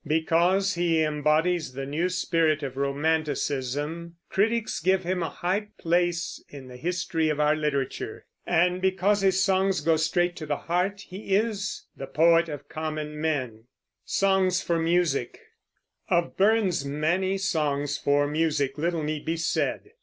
Because he embodies the new spirit of romanticism, critics give him a high place in the history of our literature; and because his songs go straight to the heart, he is the poet of common men. Of Burns's many songs for music little need be said.